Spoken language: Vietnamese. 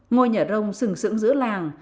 ngôi nhà rông sừng sững giữa làng